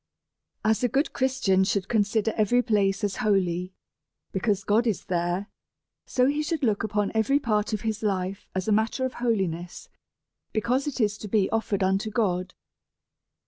As a good Christian should consider every place as holy, because God is there, so he should look upon every part of his life as a matter of holiness, because it is to be offered unto God.